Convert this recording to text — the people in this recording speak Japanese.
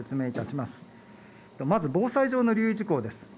まず防災上の理由事項です。